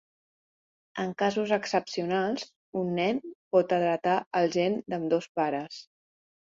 En casos excepcionals, un nen pot heretar el gen d'ambdós pares.